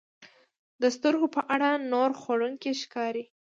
د سترګو په اړیکه نور خوړونکي ښکاري.